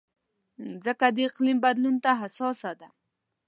مځکه د اقلیم بدلون ته حساسه ده.